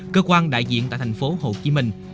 cơ quan đại diện tại thành phố hồ chí minh